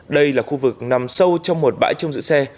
đây là khu vực nằm sâu trong một bãi trông giữ xe